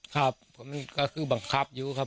ครับมันก็คือบังคับอยู่ค่ะ